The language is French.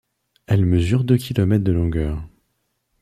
Elle mesure deux kilomètres de longueur.